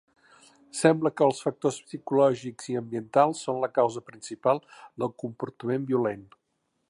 Sembla que els factors psicològics i ambientals són la causa principal del comportament violent.